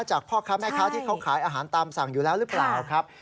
พ่อค้าแม่ค้าที่เขาขายอาหารตามสั่งอยู่แล้วหรือเปล่าครับ